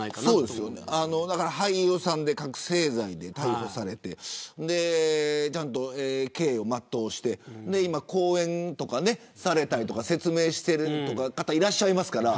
俳優さんで覚せい剤で逮捕されて刑を全うして講演をされたり説明している方いらっしゃいますから。